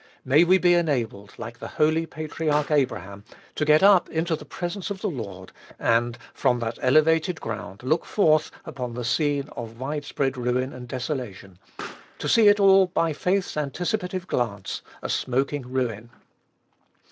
May we be enabled, like the holy patriarch Abraham, to get up into the presence of the Lord, and, from that elevated ground, look forth upon the scene of wide spread ruin and desolation, to see it all, by faith's anticipative glance, a smoking ruin.